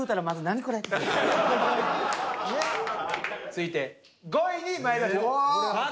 続いて５位にまいりましょう。